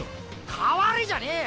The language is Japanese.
代われじゃねえよ。